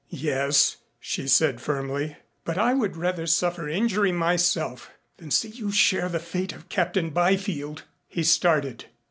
"Yes," she said firmly. "But I would rather suffer injury myself than see you share the fate of Captain Byfield." He started.